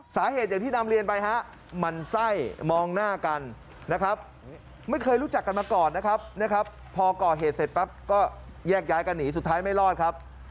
สาเหตุอย่างที่นำเรียนไปฮะมันไส้มองหน้ากันนะครับไม่เคยรู้จักกันมาก่อนนะครับนะครับพอก่อเหตุเสร็จปั๊บก็แยกย้ายกันหนีสุดท้ายไม่รอดครับ